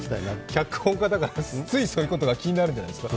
脚本家だから、ついそういうことが気になるんじゃないですか。